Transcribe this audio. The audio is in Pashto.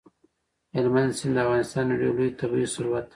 هلمند سیند د افغانستان یو ډېر لوی طبعي ثروت دی.